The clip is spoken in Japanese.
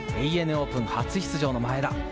オープン初出場の前田。